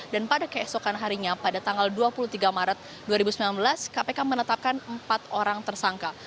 dan pada keesokan harinya pada tanggal dua puluh tiga maret dua ribu sembilan belas kpk menetapkan empat orang tersangka